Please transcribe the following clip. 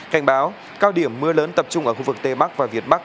cảnh báo cao điểm mưa lớn tập trung ở khu vực tây bắc và việt bắc